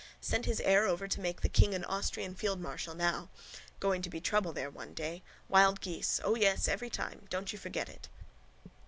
Sent his heir over to make the king an Austrian fieldmarshal now. Going to be trouble there one day. Wild geese. O yes, every time. Don't you forget that!